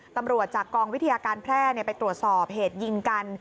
จากกองวิทยาการแพร่ไปตรวจสอบเหตุยิงกัน